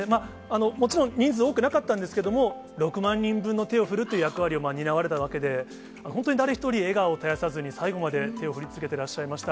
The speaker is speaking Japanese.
もちろん、人数多くなかったんですけれども、６万人分の手を振るという役割を担われたわけで、本当に誰一人、笑顔を絶やさずに、最後まで手を振り続けていらっしゃいました。